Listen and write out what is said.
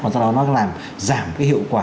và do đó nó làm giảm cái hiệu quả